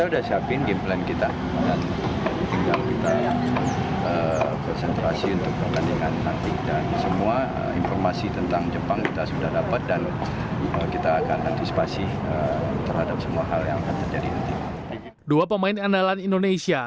dua pemain andalan indonesia